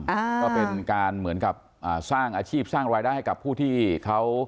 อ่าก็เป็นการเหมือนกับอ่าสร้างอาชีพสร้างรายได้ให้กับผู้ที่เขา